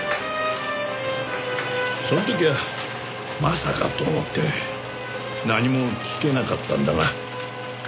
その時はまさかと思って何も聞けなかったんだが。